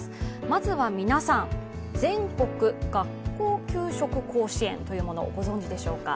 まずは皆さん、全国学校給食甲子園というものをご存じでしょうか。